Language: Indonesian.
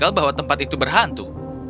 kenal bahwa tempat itu berhantu